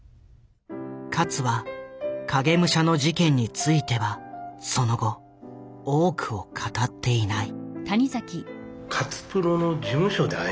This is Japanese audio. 勝は「影武者」の事件についてはその後多くを語っていない。